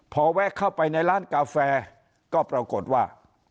พอแวะเข้าไปในร้านกาแฟก็ปรากฏว่า